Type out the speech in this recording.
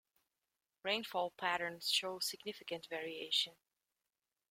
Rainfall patterns show significant variation.